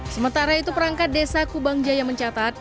sementara itu perangkat desa kubang jaya mencatat